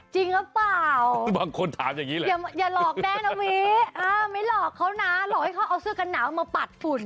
จริงหรือเปล่าอย่าหลอกแดนนะวิไม่หลอกเขานะหลอกให้เขาเอาเสื้อกันหนาวมาปัดฝุ่น